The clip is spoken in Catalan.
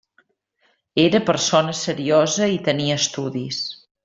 Era persona seriosa i tenia estudis.